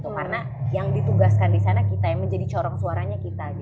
karena yang ditugaskan di sana kita yang menjadi corong suaranya kita